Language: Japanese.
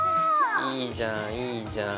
いいじゃんいいじゃん。